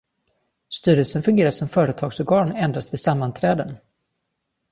Styrelsen fungerar som företagsorgan endast vid sammanträden.